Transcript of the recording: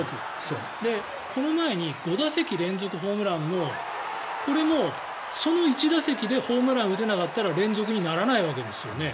この前に５打席連続ホームランのこれもその１打席でホームランを打てなかったら連続にならないわけですよね。